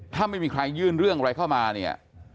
ถ้าไม่มีใครยื่นเรื่องอะไรเข้ามาเนี่ย